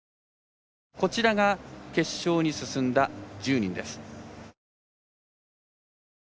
こちらが決勝に進んだ１０人です。